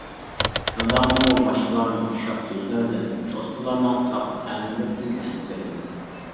شۇنداقتىمۇ باشقىلارنىڭ ئۇششاق سۆزلىرىدىن، دوستلارنىڭ تاپا-تەنىلىرىدىن ئەنسىرىدىم.